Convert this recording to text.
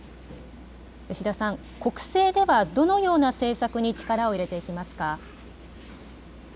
吉田さん、国政ではどのような政策に力を入れていきますか。